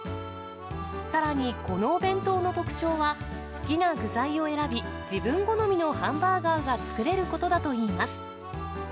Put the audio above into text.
さらにこのお弁当の特徴は、好きな具材を選び、自分好みのハンバーガーが作れることだといいます。